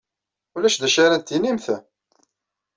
Ulac d acu ara d-tinimt?